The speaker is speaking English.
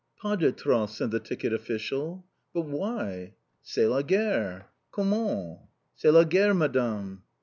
"Pas de train!" said the ticket official. "But why?" "C'est la guerre!" "Comment!" "_C'est la guerre, Madame!